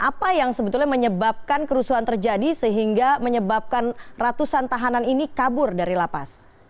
apa yang sebetulnya menyebabkan kerusuhan terjadi sehingga menyebabkan ratusan tahanan ini kabur dari lapas